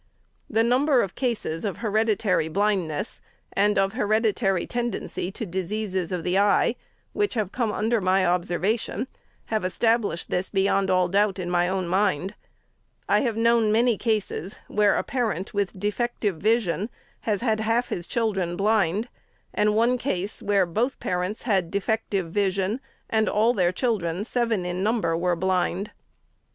The number of cases of hereditary blindness, and of hereditary tendency to diseases of the eye, which have come under my observation, have established this beyond all doubt in my own mind. 570 APPENDIX. I have known many cases, where a parent, with defective vision, has had half his children blind ; and one case, where both parents had defective vision, and all their children, seven in number, were blind.